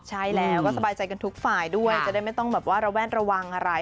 ใช่แล้วก็สบายใจกันทุกฝ่ายด้วยจะได้ไม่ต้องแบบว่าระแวดระวังอะไร